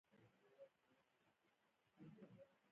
د اسلامي امت د ویښتابه په هیله!